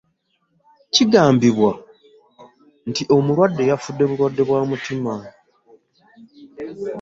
Kigambibwa nti omulwadde yafudde bulwadde bwa mutima.